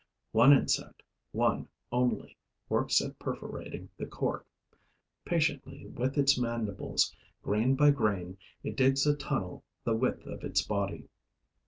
One insect, one only, works at perforating the cork. Patiently, with its mandibles, grain by grain, it digs a tunnel the width of its body.